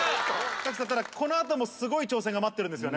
拓さん、ただこのあともすごい挑戦が待ってるんですよね。